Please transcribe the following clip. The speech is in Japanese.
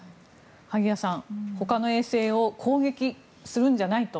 萩谷さん、ほかの衛星を攻撃するんじゃないと。